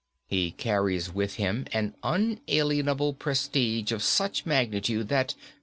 He carries with him an unalienable prestige of such magnitude that